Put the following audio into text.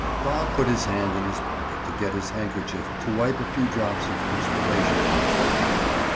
Bob put his hand in his pocket to get his handkerchief to wipe a few drops of perspiration from his brow.